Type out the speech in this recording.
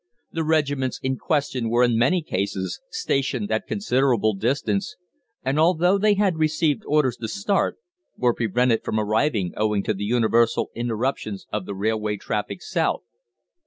The regiments in question were in many cases stationed at considerable distance, and although they had received orders to start, were prevented from arriving owing to the universal interruptions of the railway traffic south.